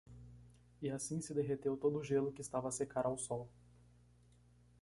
e assim se derreteu todo o gelo que estava a secar ao sol